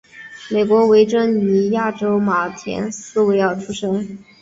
美国维珍尼亚州马田斯维尔出生。